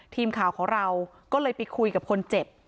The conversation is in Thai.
ทีมข่าวของเราก็เลยไปคุยกับคนเจ็บ